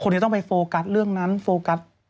จะต้องไปโฟกัสเรื่องนั้นโฟกัส